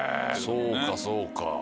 そうかそうか。